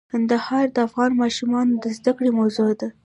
کندهار د افغان ماشومانو د زده کړې موضوع ده.